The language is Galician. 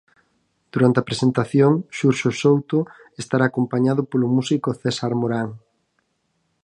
Durante a presentación, Xurxo Souto estará acompañado polo músico César Morán.